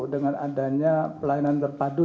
dengan adanya pelayanan berpadu